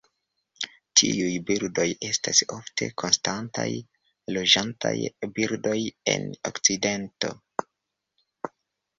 Tiuj birdoj estas ofte konstantaj loĝantaj birdoj en okcidento.